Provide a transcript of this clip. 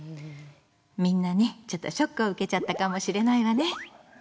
みんなねちょっとショックを受けちゃったかもしれないわね。